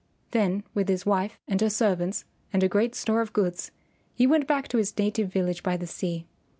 Then with his wife and her servants and her great store of goods he went back to his native village by the sea.